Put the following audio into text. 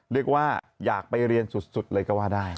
เรียกว่าอยากไปเรียนสุดเลยก็ว่าได้